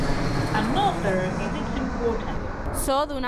Another is its importance.